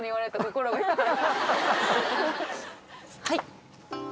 はい。